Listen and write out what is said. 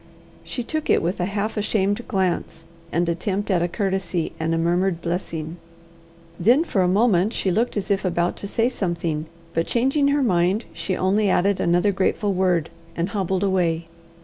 She took it with a half ashamed glance, an attempt at a courtesy, and a murmured blessing. Then for a moment she looked as if about to say something, but changing her mind, she only added another grateful word, and hobbled away.